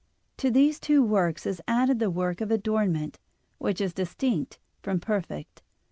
To these two works is added the work of adornment, which is distinct from perfect[ion].